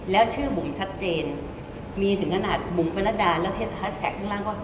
แล้วชื่อบุ๋มชัดเจนมีถึงขนาดบุ๋มปนัดดาแล้วแฮชแท็กข้างล่างก็